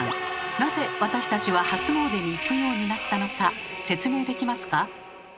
なぜ私たちは初詣に行くようになったのか説明できますか？